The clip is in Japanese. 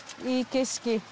いい景色。